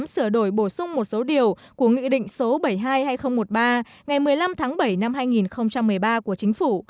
sửa đổi bổ sung một số điều của nghị định số bảy trăm hai mươi hai nghìn một mươi ba ngày một mươi năm tháng bảy năm hai nghìn một mươi ba của chính phủ